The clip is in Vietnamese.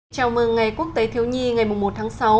chào mừng ngày quốc tế thiếu nhi ngày một tháng sáu